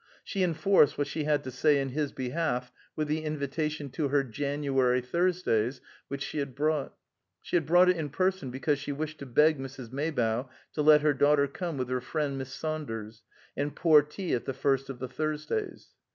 She enforced what she had to say in his behalf with the invitation to her January Thursdays which she had brought. She had brought it in person because she wished to beg Mrs. Maybough to let her daughter come with her friend, Miss Saunders, and pour tea at the first of the Thursdays.